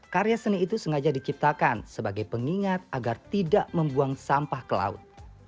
karya seni itu sengaja diciptakan sebagai pengingat agar tidak membuang sampah ke laut